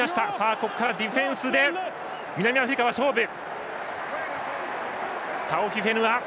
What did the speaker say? ここからディフェンスは南アフリカは勝負。